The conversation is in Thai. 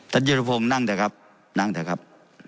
ท่านเยอร์พรมนั่งเถอะครับนั่งเถอะครับ